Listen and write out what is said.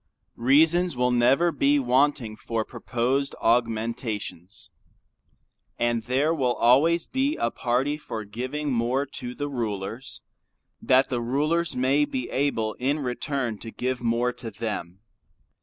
Reasons will never be wanting for proposed augmentations. And there will always be a party for giving more to the rulers, that the rulers may be able in return to give more to them.